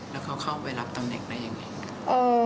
แล้วเขาเข้าไปรับตำแหน่งได้ยังไง